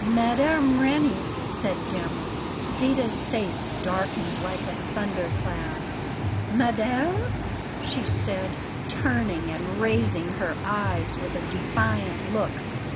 "Mme. Reni!" said Gemma. Zita's face darkened like a thunder cloud. "Madame?" she said, turning and raising her eyes with a defiant look.